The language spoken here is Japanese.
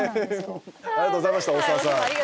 ありがとうございました大沢さん。